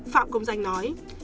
phạm công danh nói